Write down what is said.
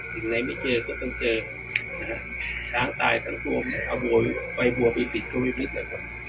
สิ่งใดไม่เจอก็ต้องเจอทั้งตายทั้งส่วนเอาไว้บัวไปติดช่วยพิษนะครับ